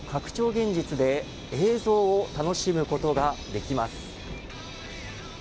現実で映像を楽しむことができます。